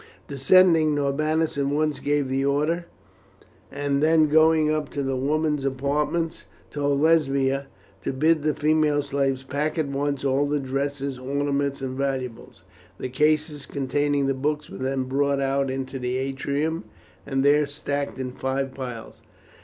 Descending, Norbanus at once gave the orders, and then going up to the women's apartments told Lesbia to bid the female slaves pack at once all the dresses, ornaments, and valuables. The cases containing the books were then brought out into the atrium, and there stacked in five piles.